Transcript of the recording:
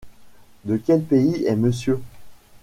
De quel pays est monsieur ?